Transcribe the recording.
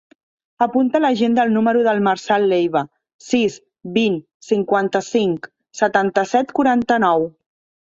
Apunta a l'agenda el número del Marçal Leiva: sis, vint, cinquanta-cinc, setanta-set, quaranta-nou.